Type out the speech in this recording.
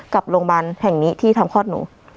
กับโรงพยาบาลแห่งนี้ที่ทำคลอดหนู